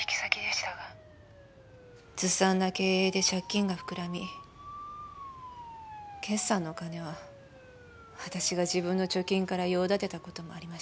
ずさんな経営で借金が膨らみ決算のお金は私が自分の貯金から用立てた事もありました。